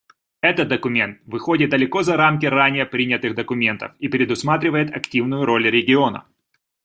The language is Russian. Этот документ выходит далеко за рамки ранее принятых документов и предусматривает активную роль региона.